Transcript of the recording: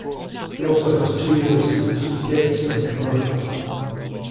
He also has two younger sons, Gates and Marco.